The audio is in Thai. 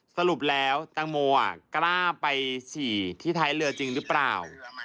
สรุปแล้วตังโมกล้าไปฉี่ที่ท้ายเรือจริงหรือเปล่า